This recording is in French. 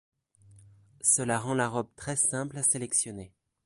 Cela rend la robe très simple à sélectionner.